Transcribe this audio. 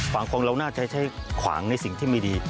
ฝั่งของเราน่าจะใช้ขวางในสิ่งที่ไม่ดี